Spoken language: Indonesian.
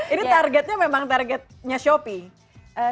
ini targetnya memang targetnya shopee